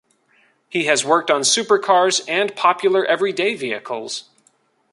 He has worked on supercars and popular everyday vehicles.